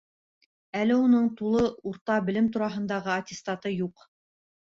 Әле уның тулы урта белем тураһындағы аттестаты юҡ.